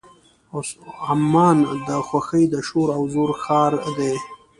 عمان د خوښیو د شور او زوږ ښار دی.